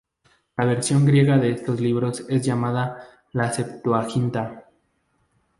La versión griega de estos libros es llamada la Septuaginta.